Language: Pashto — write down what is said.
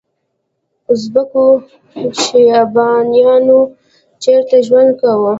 ازبکو شیبانیانو چیرته ژوند کاوه؟